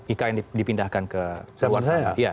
ikn dipindahkan ke luar sana